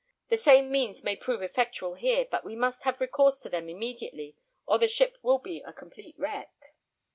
The same means may prove effectual here, but we must have recourse to them immediately, or the ship will be a complete wreck."